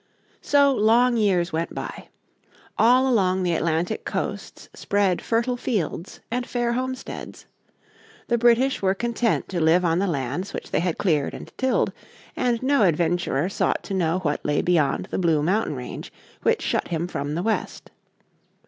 So, long years went by. All along the Atlantic coasts spread fertile fields and fair homesteads. The British were content to live on the lands which they had cleared and tilled, and no adventurer sought to know what lay beyond the blue mountain range which shut him from the West.